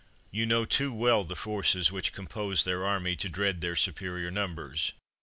You know too well the forces which compose their army to dread their superior numbers.